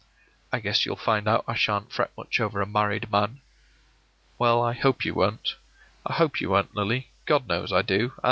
” “I guess you'll find out I sha'n't fret much over a married man.” “Well, I hope you won't — I hope you won't, Lily. God knows I do.